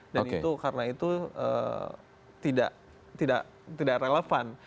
dan itu karena itu tidak relevan